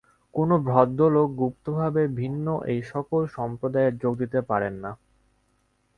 কোন ভদ্রলোক গুপ্তভাবে ভিন্ন এই-সকল সম্প্রদায়ে যোগ দিতে পারেন না।